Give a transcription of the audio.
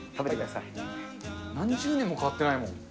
何十年も変わってないもん。